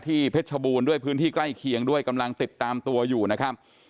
เพชรชบูรณ์ด้วยพื้นที่ใกล้เคียงด้วยกำลังติดตามตัวอยู่นะครับ